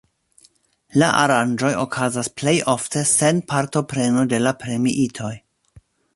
La aranĝoj okazas plej ofte sen partopreno de la premiitoj.